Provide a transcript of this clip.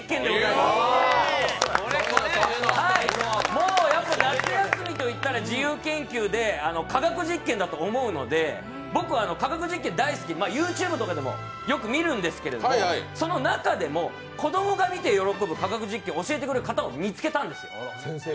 もう夏休みといったら自由研究で科学実験だと思うので僕は科学実験が大好き、ＹｏｕＴｕｂｅとかでもよく見るんですけど、その中でも子供が見て喜ぶ科学実験をする方を見つけたんです。